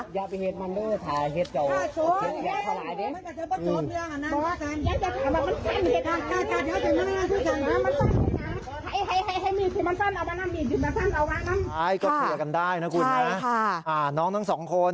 ก็เกลี่ยกันได้นะคุณน้องนั้นสองคน